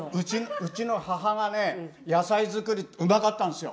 うちの母がね野菜作りうまかったんですよ。